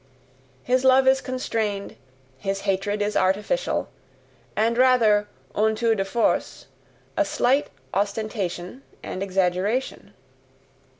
His love is constrained, his hatred is artificial, and rather UN TOUR DE FORCE, a slight ostentation and exaggeration.